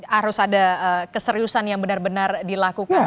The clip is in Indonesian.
harus ada keseriusan yang benar benar dilakukan